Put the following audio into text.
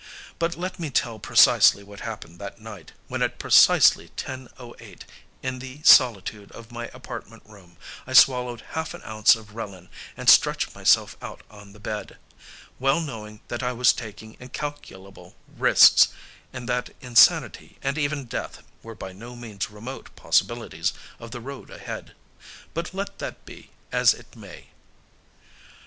But let me tell precisely what happened that night when at precisely 10:08 in the solitude of my apartment room, I swallowed half an ounce of Relin and stretched myself out on the bed, well knowing that I was taking incalculable risks, and that insanity and even death were by no means remote possibilities of the road ahead. But let that be as it may!